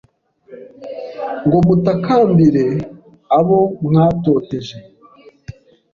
Ngo mutakambire abo mwatoteje